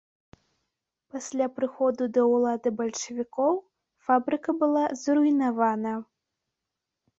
Пасля прыходу да ўлады бальшавікоў фабрыка была зруйнавана.